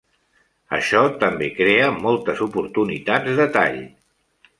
Això també crea moltes oportunitats de tall.